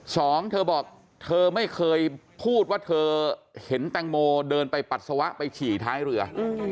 สองเธอบอกเธอไม่เคยพูดว่าเธอเห็นแตงโมเดินไปปัสสาวะไปฉี่ท้ายเรือ